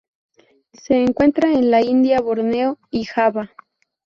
Se encuentra en la India Borneo y Java.